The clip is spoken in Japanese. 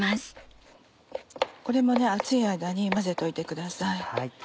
これも熱い間に混ぜておいてください。